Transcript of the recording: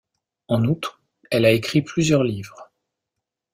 En outre, elle a écrit plusieurs livres.